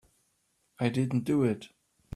I didn't do it.